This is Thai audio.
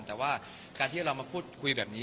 แต่ว่าการที่เรามาพูดคุยแบบนี้